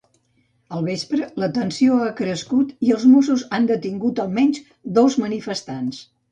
Al vespre, la tensió ha crescut i els mossos han detingut almenys dos manifestants.